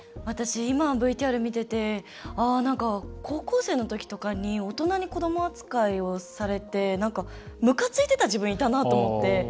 私、今のＶＴＲを見ててなんか、高校生のときとかに大人に子ども扱いをされてむかついてた自分いたなと思って。